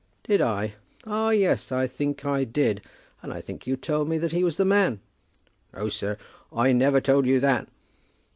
"Did I? Ah, yes; I think I did. And I think you told me that he was the man?" "No, sir; I never told you that."